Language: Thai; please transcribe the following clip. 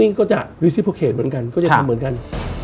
ผมเองกับคุณอุ้งอิ๊งเองเราก็รักกันเหมือนน้อง